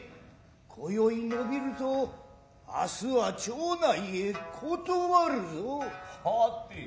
今宵のびると明日は町内へ断るぞ。